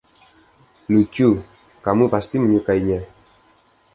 Lucu. Kamu pasti menyukainya